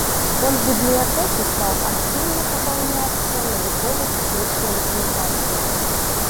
Фонд бібліятэкі стаў актыўна папаўняцца навукова-тэхнічнай дакументацыяй.